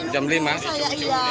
jam lima dari mana